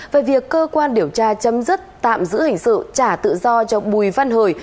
về việc cơ quan điều tra chấm dứt tạm giữ hình sự trả tự do cho bùi văn hồi